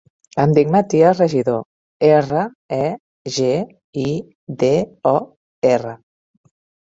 Em dic Matías Regidor: erra, e, ge, i, de, o, erra.